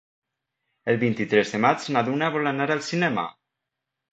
El vint-i-tres de maig na Duna vol anar al cinema.